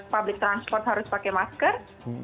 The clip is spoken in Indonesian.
public transport harus pakai masker